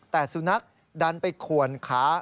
แต่สุนัขดันไปขวนขา